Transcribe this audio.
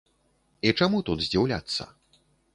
І чаму тут здзіўляцца?